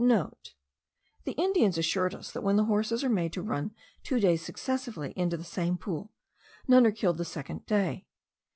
*(* The Indians assured us that when the horses are made to run two days successively into the same pool, none are killed the second day.